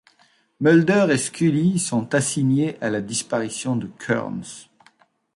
Mulder et Scully sont assignés à la disparition de Kearns.